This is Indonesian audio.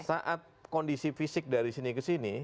saat kondisi fisik dari sini ke sini